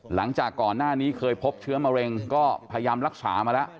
หลังจากก่อนหน้านี้เคยพบเชื้อมะเร็งก็พยายามรักษามาแล้ว